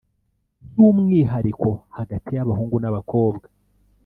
by’umwihariko, hagati y’abahungu n’abakobwa